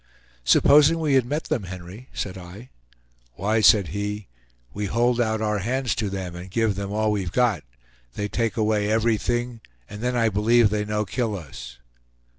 "Supposing we had met them, Henry?" said I. "Why," said he, "we hold out our hands to them, and give them all we've got; they take away everything, and then I believe they no kill us.